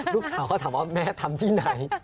ลูกสาวก็ถามว่าแม่ทำที่ไหน